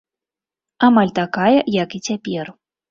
Амаль такая, як і цяпер.